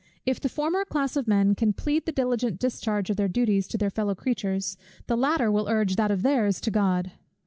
If the former class of men can plead the diligent discharge of their duties to their fellow creatures, the latter will urge that of their's to God.